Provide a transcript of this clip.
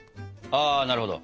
ああなるほど。